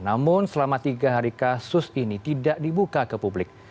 namun selama tiga hari kasus ini tidak dibuka ke publik